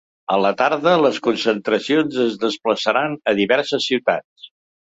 A la tarda les concentracions es desplaçaran a diverses ciutats.